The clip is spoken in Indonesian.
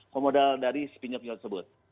pemodal dari pinjol pinjol tersebut